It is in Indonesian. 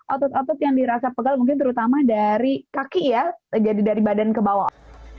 otot otot yang dirasa pegal mungkin terutama dari kaki ya jadi dari badan ke bawah